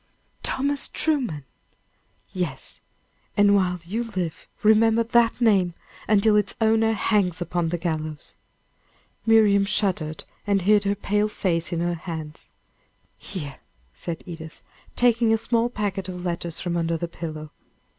"Thomas Truman!" "Yes; and while you live, remember that name, until its owner hangs upon the gallows!" Miriam shuddered, and hid her pale face in her hands. "Here," said Edith, taking a small packet of letters from under her pillow.